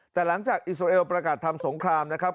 แต่หลังจากอิสราเอลประกาศทำสงครามนะครับ